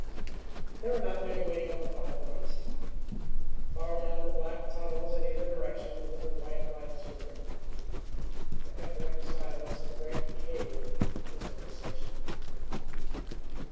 There were not many waiting on the platforms. Far down the black tunnels in either direction the little white lights glimmered. The echoing silence of a great cave was in the station.